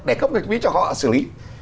để có cách biết cho họ xử lý